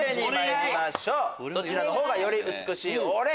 どちらの方がより美しい「オレ！」